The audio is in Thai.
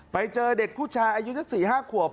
ไปเจอเด็กผู้ชายอายุสัก๔๕ขวบ